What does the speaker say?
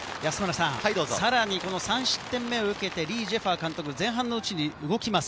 さらに３失点目を受けてリ・ジェファ監督、前半のうちに動きます。